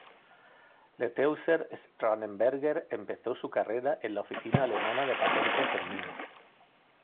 Leutheusser-Schnarrenberger empezó su carrera en la Oficina Alemana de Patentes en Múnich.